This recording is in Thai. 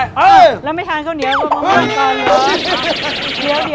แล้วไม่ทานกำเนื้อเดี๋ยวเดี๋ยว